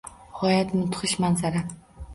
G`oyat mudhish manzara